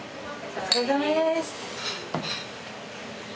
お疲れさまです。